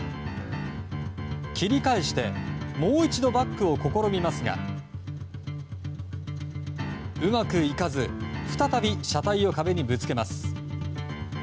切り返してもう一度バックを試みますがうまくいかず再び車体を壁にぶつけます。